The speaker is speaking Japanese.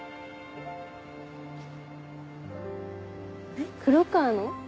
えっ黒川の？